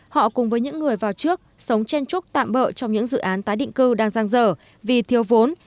họ cùng với những người vào trước sống chen trúc tạm bỡ trong những dự án tái định cư đang giang dở vì thiếu vốn